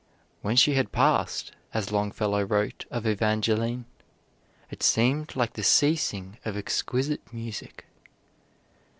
"When she had passed," as Longfellow wrote of Evangeline, "it seemed like the ceasing of exquisite music."